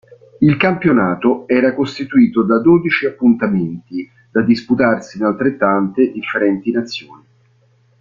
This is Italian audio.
Il campionato era costituito da dodici appuntamenti da disputarsi in altrettante differenti nazioni.